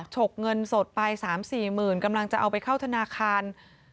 ฉกเงินสดไป๓๔หมื่นกำลังจะเอาไปเข้าธนาคาร